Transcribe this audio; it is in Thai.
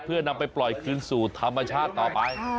เพื่อนำไปปล่อยคืนสู่ธรรมชาติต่อไป